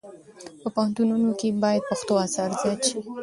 په پوهنتونونو کې باید پښتو اثار زیات شي.